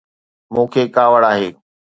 مون کي ڪاوڙ آهي